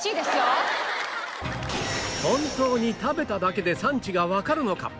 本当に食べただけで産地がわかるのか？